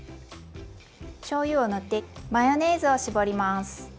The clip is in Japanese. しょうゆを塗ってマヨネーズを絞ります。